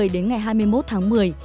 đến ngày hai mươi một tháng một mươi